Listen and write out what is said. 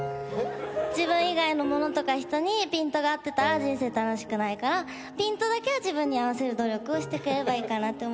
自分以外の物とか人にピントが合ってたら人生楽しくないからピントだけは自分に合わせる努力をしてくれればいいかなって思う。